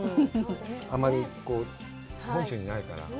あまり本州にいないから。